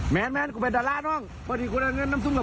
แม่น้ำหักแพงว่ะเนาะ